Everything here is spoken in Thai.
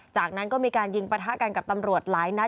จากนั้นก็มีการยิงประทะกันกับตำรวจหลายนัด